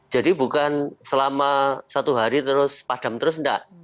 jadi bukan selama satu hari terus padam tidak